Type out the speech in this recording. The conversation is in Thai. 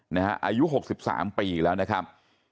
อายุ๖๓ปีแล้วนะครับ